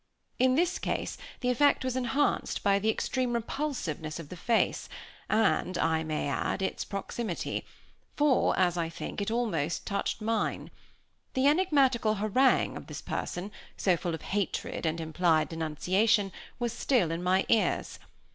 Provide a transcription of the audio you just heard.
In this case the effect was enhanced by the extreme repulsiveness of the face, and, I may add, its proximity, for, as I think, it almost touched mine. The enigmatical harangue of this person, so full of hatred and implied denunciation, was still in my ears.